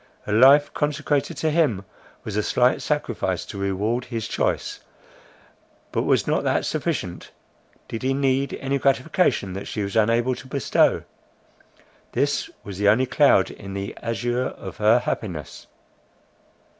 Her life consecrated to him, was a slight sacrifice to reward his choice, but was not that sufficient—Did he need any gratification that she was unable to bestow? This was the only cloud in the azure of her happiness.